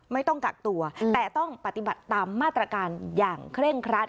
ไม่ต้องกักตัวแต่ต้องปฏิบัติตามมาตรการอย่างเคร่งครัด